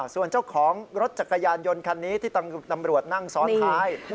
ส่วนเจ้าของรถจักรยานยนต์คันนี้ที่ตำรวจนั่งซ้อนท้าย